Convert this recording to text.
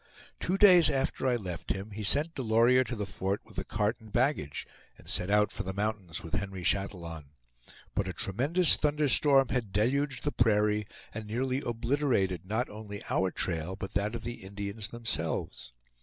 Two days after I left him he sent Delorier to the fort with the cart and baggage, and set out for the mountains with Henry Chatillon; but a tremendous thunderstorm had deluged the prairie, and nearly obliterated not only our trail but that of the Indians themselves.